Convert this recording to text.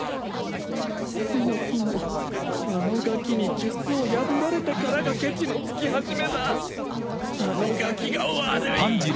そもそもあのガキに術を破られてからがけちのつき始めだあのガキが悪い！